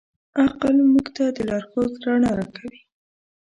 عقل موږ ته د لارښود رڼا راکوي.